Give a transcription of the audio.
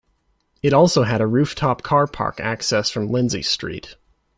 It also had a roof-top car park accessed from Lindsay Street.